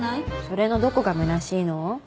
それのどこがむなしいの？